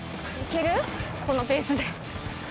このペースで。